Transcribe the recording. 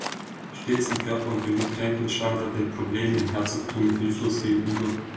Stets an Körper und Gemüt kränkelnd, stand er den Problemen im Herzogtum hilflos gegenüber.